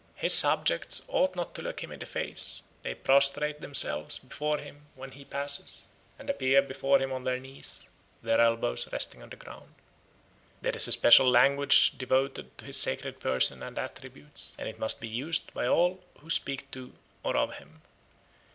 His subjects ought not to look him in the face; they prostrate themselves before him when he passes, and appear before him on their knees, their elbows resting on the ground." There is a special language devoted to his sacred person and attributes, and it must be used by all who speak to or of him.